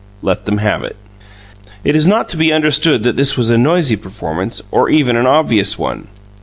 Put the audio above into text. let them have it. It is not to be understood that this was a noisy performance, or even an obvious one.